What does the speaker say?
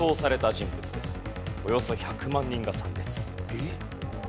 えっ？